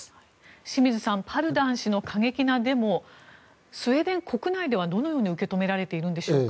清水さんパルダン氏の過激なデモスウェーデン国内ではどのように受け止められているんですか？